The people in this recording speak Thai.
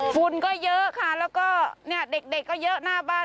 ฝุ่นก็เยอะค่ะแล้วก็เนี่ยเด็กก็เยอะหน้าบ้าน